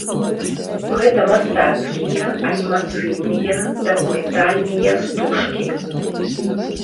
Гэта мастацкія, анімацыйныя, дакументальныя стужкі.